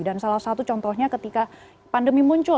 dan salah satu contohnya ketika pandemi muncul ya